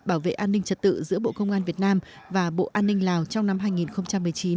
bảo vệ an ninh trật tự giữa bộ công an việt nam và bộ an ninh lào trong năm hai nghìn một mươi chín